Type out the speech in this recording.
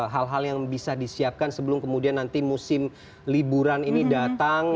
hal hal yang bisa disiapkan sebelum kemudian nanti musim liburan ini datang